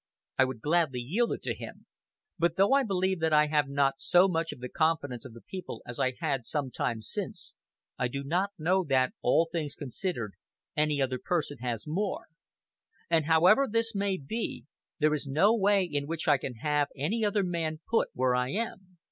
I would gladly yield it to him. But, though I believe that I have not so much of the confidence of the people as I had some time since, I do not know that, all things considered, any other person has more; and however this may be, there is no way in which I can have any other man put where I am.